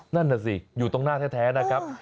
นั่นน่ะสิอยู่ตรงหน้าแท้นะครับ